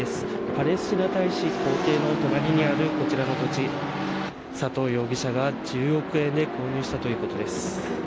パレスチナ大使公邸の隣にあるこちらの土地佐藤容疑者が１０億円で購入したということです